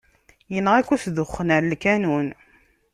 Yenɣa-k usduxxen ɣer lkanun!